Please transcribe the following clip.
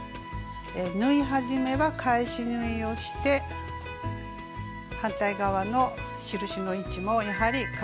縫い始めは返し縫いをして反対側の印の位置もやはり返し縫いをします。